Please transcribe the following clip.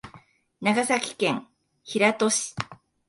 長崎県平戸市